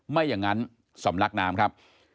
ไม่อย่างนั้นสำลักน้ำครับ